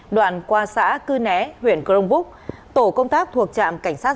đoàn qua xã cư né huyện crongbúc tổ công tác thuộc trạm cảnh sát